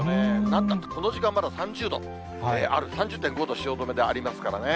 なんだって、この時間、まだ３０度ある、３０．５度、汐留でありますからね。